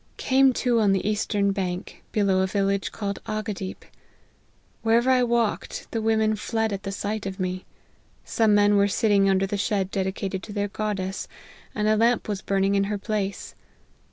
" Came to on the eastern bank, below a village called Ahgadeep. Wherever I walked, the women fled at the sight of me. Some men were sitting under the shed dedicated to their goddess ; and a lamp was burning in her place.